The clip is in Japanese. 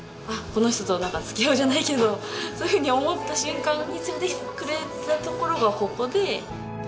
この人となんか付き合うじゃないけどそういうふうに思った瞬間に連れてきてくれた所がここで。